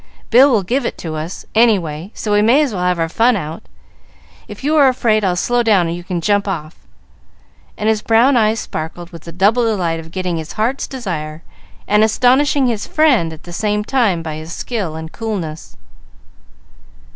"Bill will give it to us, any way, so we may as well have our fun out. If you are afraid, I'll slow down and you can jump off," and his brown eyes sparkled with the double delight of getting his heart's desire and astonishing his friend at the same time by his skill and coolness.